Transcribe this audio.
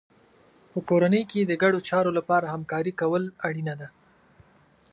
په کورنۍ کې د ګډو چارو لپاره همکاري کول اړینه ده.